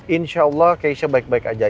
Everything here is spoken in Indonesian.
insya allah keisha baik baik aja